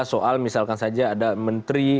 soal misalkan saja ada menteri